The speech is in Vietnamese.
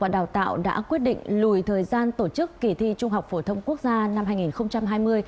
đào tạo đã quyết định lùi thời gian tổ chức kỳ thi trung học phổ thông quốc gia năm hai nghìn hai mươi